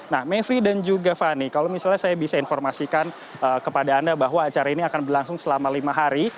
nah mevri dan juga fani kalau misalnya saya bisa informasikan kepada anda bahwa acara ini akan berlangsung selama lima hari